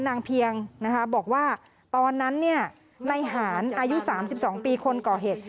นางเพียงนะคะบอกว่าตอนนั้นเนี่ยในหารอายุสามสิบสองปีคนก่อเหตุ